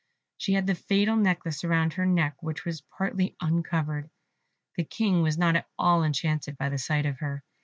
She had the fatal necklace round her neck, which was partly uncovered. The King was not at all enchanted by the sight of her.